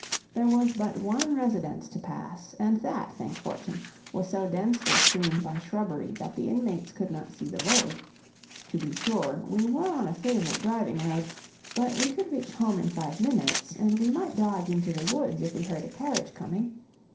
There was but one residence to pass, and that, thank fortune, was so densely screened by shrubbery that the inmates could not see the road. To be sure, we were on a favorite driving road, but we could reach home in five minutes, and we might dodge into the woods if we heard a carriage coming.